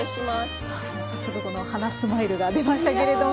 早速このはなスマイルが出ましたけれども。